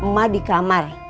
mak di kamar